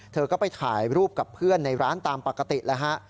เธอก็ไปถ่ายรูปกับเพื่อนในร้านตามปกติแล้วฮะ